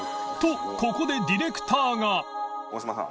ここでディレクターが淵妊譽拭次大島さん。